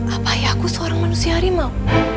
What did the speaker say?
apakah aku seorang manusia rimau